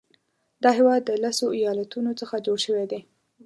دا هیواد د لسو ایالاتونو څخه جوړ شوی دی.